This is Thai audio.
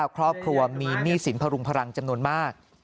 ครอบครัวมีหนี้สินพรุงพลังจำนวนมาก